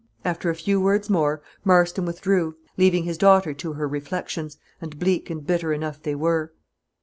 After a few words more, Marston withdrew, leaving his daughter to her reflections, and bleak and bitter enough they were.